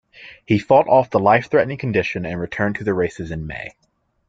He fought off the life-threatening condition and returned to the races in May.